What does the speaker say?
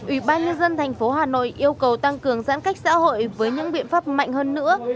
ủy ban nhân dân thành phố hà nội yêu cầu tăng cường giãn cách xã hội với những biện pháp mạnh hơn nữa